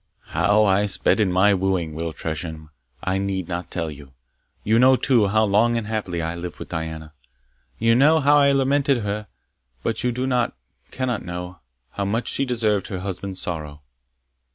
How I sped in my wooing, Will Tresham, I need not tell you. You know, too, how long and happily I lived with Diana. You know how I lamented her; but you do not cannot know, how much she deserved her husband's sorrow.